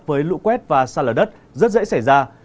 với lũ quét và xa lở đất rất dễ xảy ra